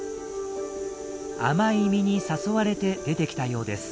甘い実に誘われて出てきたようです。